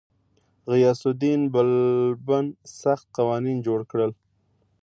غیاث الدین بلبن سخت قوانین جوړ کړل.